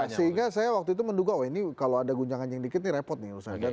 sehingga saya waktu itu menduga oh ini kalau ada guncangan yang dikit ini repot nih menurut saya